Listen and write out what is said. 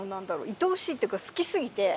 いとおしいっていうか好きすぎて。